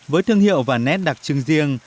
với thương hiệu và nét đặc trưng riêng